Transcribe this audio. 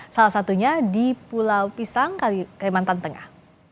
salah satunya di pulau pisang kalimantan tengah